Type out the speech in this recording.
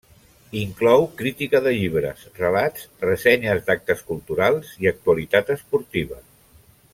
Inclou crítica de llibres, relats, ressenyes d'actes culturals i actualitat esportiva.